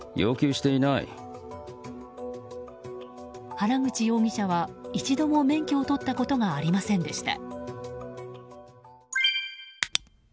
原口容疑者は一度も免許をとったことがありませんでした。